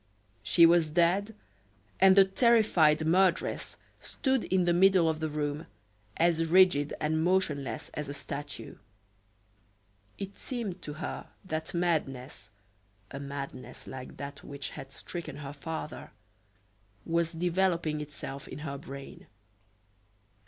She was dead, and the terrified murderess stood in the middle of the room, as rigid and motionless as a statue. It seemed to her that madness a madness like that which had stricken her father was developing itself in her brain.